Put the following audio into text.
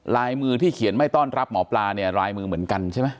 ลายมือที่เขียนไม่ต้อนรับหมอปลาเนี่ยลายมือเหมือนกันใช่ไหม